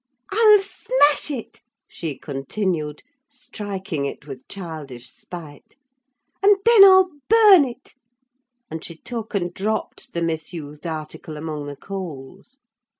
"I'll smash it!" she continued, striking it with childish spite, "and then I'll burn it!" and she took and dropped the misused article among the coals.